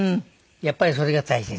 やっぱりそれが大切。